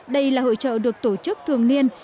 đây là hội trợ được tổ chức thường niên